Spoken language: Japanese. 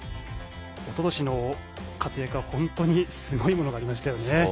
おととしの活躍は本当にすごいものがありましたね。